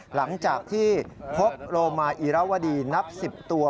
หลังจากที่พบโลมาอีรวดีนับ๑๐ตัว